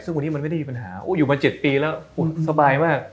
ซึ่งวันนี้มันไม่ได้มีปัญหาอยู่มา๗ปีแล้วสบายมาก